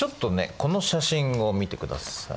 この写真を見てください。